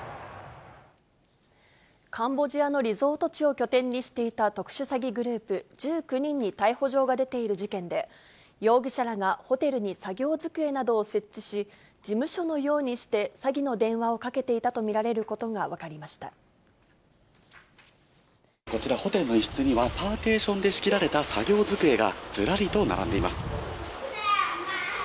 カンボジアのリゾート地を拠点にしていた、特殊詐欺グループ１９人に逮捕状が出ている事件で、容疑者らがホテルに作業机などを設置し、事務所のようにして詐欺の電話をかけていたと見られることが分かこちら、ホテルの一室には、パーテーションで仕切られた作業机がずらりと並んでいます。